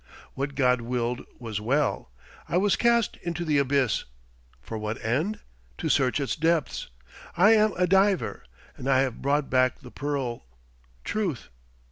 What God willed was well. I was cast into the abyss. For what end? To search its depths. I am a diver, and I have brought back the pearl, truth.